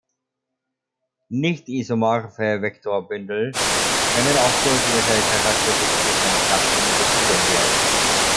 Nicht-isomorphe Vektorbündel können oft durch ihre charakteristischen Klassen unterschieden werden.